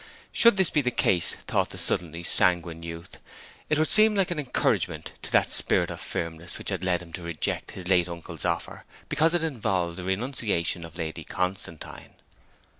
Should this be the case, thought the suddenly sanguine youth, it would seem like an encouragement to that spirit of firmness which had led him to reject his late uncle's offer because it involved the renunciation of Lady Constantine.